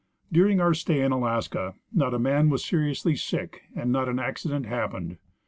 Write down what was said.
During our stay in Alaska not a man was seriously sick and not an accident happened.